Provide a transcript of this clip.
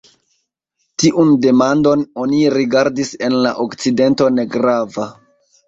Tiun demandon oni rigardis en la okcidento negrava.